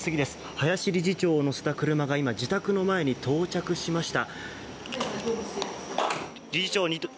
林理事長を乗せた車が今、自宅の前に到着しました。